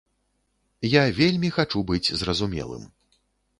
Я вельмі хачу быць зразумелым.